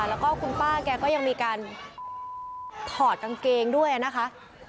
แล้วก็คุณป้าแกก็ยังมีการถอดกางเกงด้วยนะคะ